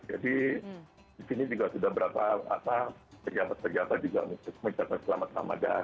jadi di sini juga sudah berapa pejabat pejabat juga menjaga selamat ramadhan